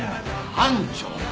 班長。